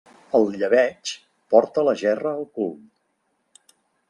El llebeig porta la gerra al cul.